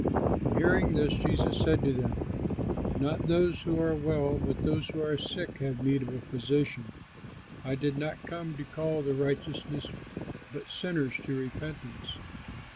On hearing this, Jesus said to them, "Not those who are well, but those who are sick have need of a physician. I did not come to call the righteous but sinners to repentance."